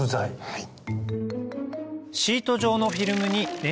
はい。